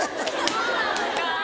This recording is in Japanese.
そうなのかぁ。